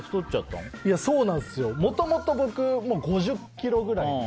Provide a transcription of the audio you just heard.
もともと僕５０ｋｇぐらいで。